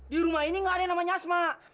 di rumah ini nggak ada yang namanya asma